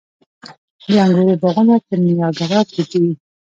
د انګورو باغونه په نیاګرا کې دي.